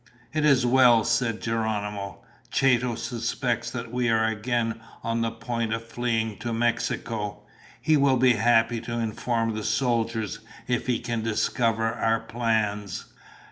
"It is well," said Geronimo. "Chato suspects that we are again on the point of fleeing to Mexico. He will be happy to inform the soldiers if he can discover our plans."